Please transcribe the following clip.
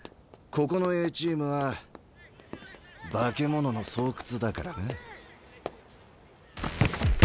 ここのＡチームは化け物の巣窟だからな。